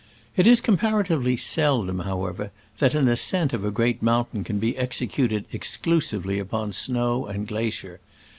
It is comparatively seldom, however, that an ascent of a great mountain can be executed exclusively upon snow and glacier.